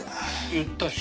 言ったし。